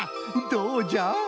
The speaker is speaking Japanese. どうじゃ？